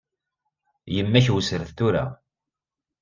Yemma-k wessret tura.